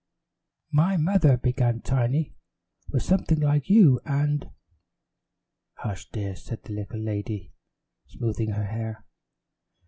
"My mother," began Tiny, "was something like you and " "Hush, dear," said the little lady, smoothing her hair.